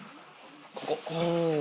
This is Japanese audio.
ここ。